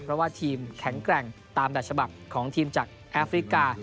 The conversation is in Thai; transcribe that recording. เพราะว่าทีมแข็งแกร่งตามแบบฉบับของทีมจากแอฟริกา